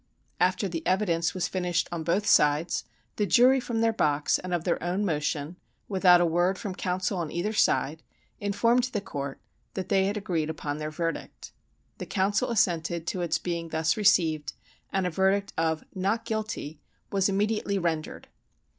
"After the evidence was finished on both sides, the jury from their box, and of their own motion, without a word from counsel on either side, informed the court that they had agreed upon their verdict. The counsel assented to its being thus received, and a verdict of "not guilty" was immediately rendered.